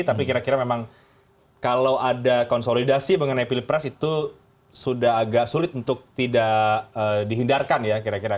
tapi kira kira memang kalau ada konsolidasi mengenai pilpres itu sudah agak sulit untuk tidak dihindarkan ya kira kira